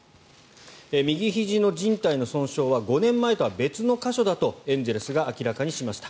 右ひじのじん帯の損傷は５年前とは別の箇所だとエンゼルスが明らかにしました。